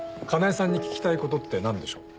叶絵さんに聞きたい事ってなんでしょう？